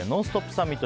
サミット。